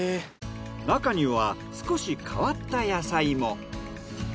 なかには少し変わった野菜も。